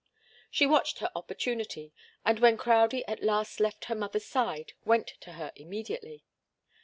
She watched her opportunity, and when Crowdie at last left her mother's side, went to her immediately.